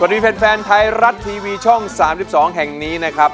สวัสดีเพลงแฟนไทยรัดทีวีช่อง๓๒แห่งนี้นะครับ